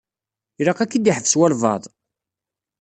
Ilaq ad k-id-iḥbes walebɛaḍ.